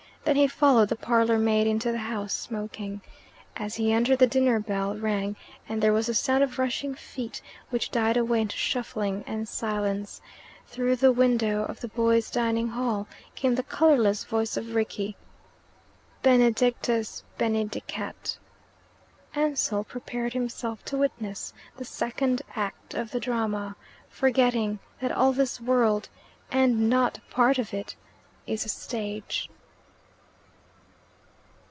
Then he followed the parlour maid into the house smoking. As he entered the dinner bell rang, and there was the sound of rushing feet, which died away into shuffling and silence. Through the window of the boys' dining hall came the colourless voice of Rickie "'Benedictus benedicat.'" Ansell prepared himself to witness the second act of the drama; forgetting that all this world, and not part of it, is a stage.